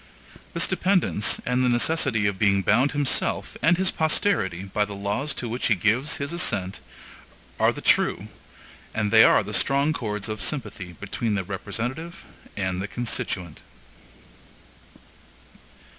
This dependence, and the necessity of being bound himself, and his posterity, by the laws to which he gives his assent, are the true, and they are the strong chords of sympathy between the representative and the constituent.